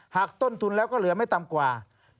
ต้นทุนแล้วก็เหลือไม่ต่ำกว่า